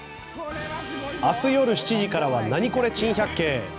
明日夜７時からは「ナニコレ珍百景」！